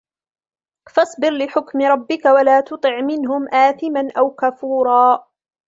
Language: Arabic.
فَاصْبِرْ لِحُكْمِ رَبِّكَ وَلَا تُطِعْ مِنْهُمْ آثِمًا أَوْ كَفُورًا